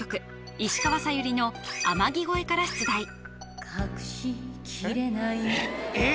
石川さゆりの「天城越え」から出題えっ？